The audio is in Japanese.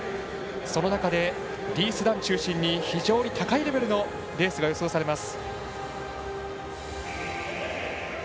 その中で、リース・ダン中心に非常に高いレベルのレースが予想されます。